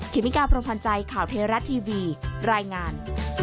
เมกาพรมพันธ์ใจข่าวเทราะทีวีรายงาน